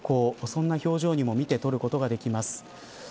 その表情にも見てとることができます。